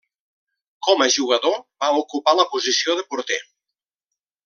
Com a jugador, va ocupar la posició de porter.